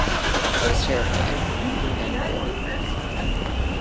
I was terrified -- and bored.